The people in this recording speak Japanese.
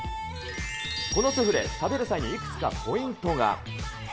このスフレ、食べる際にいくつかポイントが。